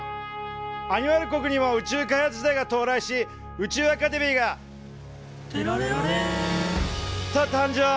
アニマル国にも宇宙開発時代が到来し宇宙アカデミーが「てられられん！」と誕生。